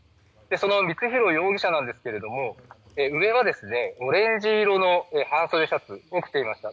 その光弘容疑者ですが上はオレンジ色の半袖のシャツを着ていました。